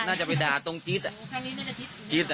น่าจะไปด่าตรงว่าจี๊ดอ่ะเขาก็เห็นใจนะ